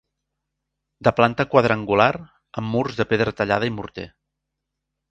De planta quadrangular, amb murs de pedra tallada i morter.